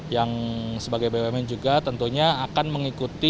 yang sebagai bumn juga tentunya akan mengikuti